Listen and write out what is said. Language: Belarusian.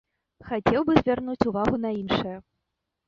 Хацеў бы звярнуць увагу на іншае.